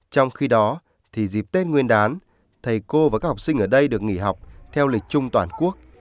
trong khi đó thì dịp tết nguyên đán thầy cô và các học sinh ở đây được nghỉ học theo lịch chung toàn quốc